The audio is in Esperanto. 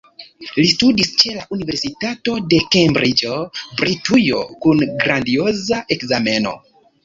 Li studis ĉe la universitato de Kembriĝo, Britujo kun grandioza ekzameno.